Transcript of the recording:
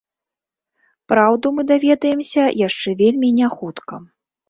Праўду мы даведаемся яшчэ вельмі няхутка.